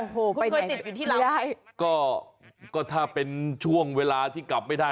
โอ้โหไปไหนไปไหนติดอยู่ที่ร้าวก็ก็ถ้าเป็นช่วงเวลาที่กลับไม่ได้